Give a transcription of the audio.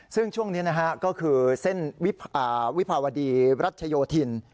ซึ่งช่วงนี้นะฮะก็คือเส้นวิภาวดีรัชโยธิน